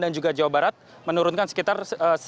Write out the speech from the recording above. dan juga jawa barat menurunkan sekitar